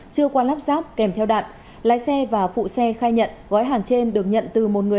chưa qua lắp ráp kèm theo đạn lái xe và phụ xe khai nhận gói hàng trên được nhận từ một người